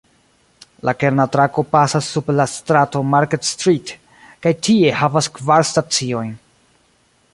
La kerna trako pasas sub la strato "Market Street" kaj tie havas kvar staciojn.